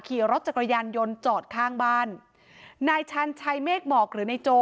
ขี่รถจักรยานยนต์จอดข้างบ้านนายชาญชัยเมฆหมอกหรือนายโจ